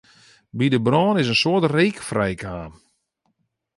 By de brân is in soad reek frijkaam.